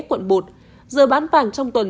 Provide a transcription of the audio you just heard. quận một giờ bán vàng trong tuần